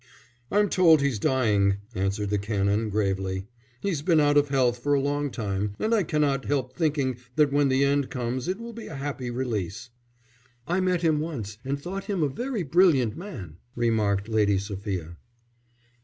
"I'm told he's dying," answered the Canon, gravely. "He's been out of health for a long time, and I cannot help thinking that when the end comes it will be a happy release." "I met him once and thought him a very brilliant man," remarked Lady Sophia.